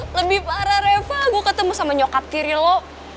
lebih parah reva gue ketemu sama nyokap tiri lo